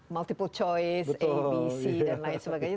multiple choice abc dan lain sebagainya